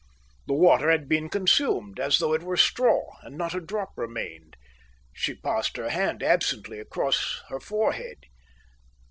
The water had been consumed, as though it were straw, and not a drop remained. She passed her hand absently across her forehead.